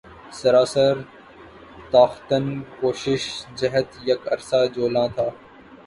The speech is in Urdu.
سراسر تاختن کو شش جہت یک عرصہ جولاں تھا